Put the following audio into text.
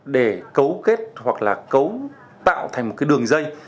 để cấu kết hoặc là cấu tạo thành một cái đường dây